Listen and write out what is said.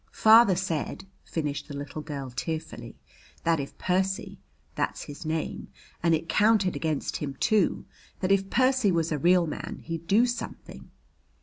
"Father said," finished the little girl tearfully, "that if Percy that's his name, and it counted against him too that if Percy was a real man he'd do something.